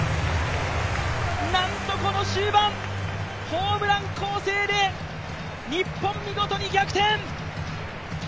なんと、この終盤ホームラン攻勢で日本、見事に逆転！